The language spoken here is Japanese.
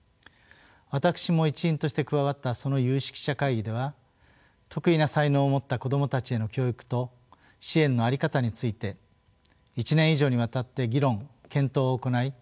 私も一員として加わったその有識者会議では特異な才能を持った子どもたちへの教育と支援の在り方について１年以上にわたって議論・検討を行い